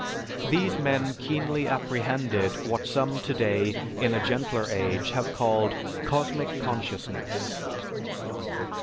These men keenly apprehended what some today, in a gentler age, have called "cosmic consciousness."